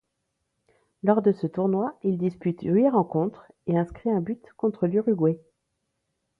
Lors de ce tournoi, il dispute huit rencontres, et inscrit un but contre l'Uruguay.